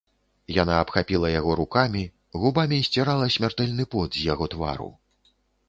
Яна абхапіла яго рукамі, губамі сцірала смяртэльны пот з яго твару.